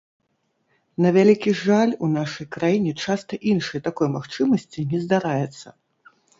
На вялікі жаль, у нашай краіне часта іншай такой магчымасці не здараецца.